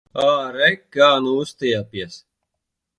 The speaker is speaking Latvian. Āre, kā nu uztiepjas!